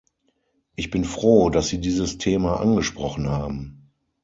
Ich bin froh, dass Sie dieses Thema angesprochen haben.